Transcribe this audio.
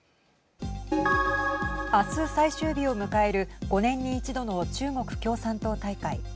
明日、最終日を迎える５年に一度の中国共産党大会。